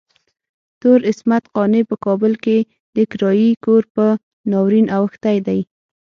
تور عصمت قانع په کابل کې د کرايي کور په ناورين اوښتی دی.